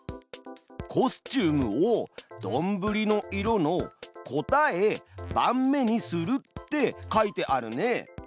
「コスチュームをどんぶりの色の『答え』番目にする」って書いてあるね。